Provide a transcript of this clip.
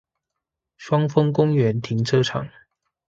雙峰公園停車場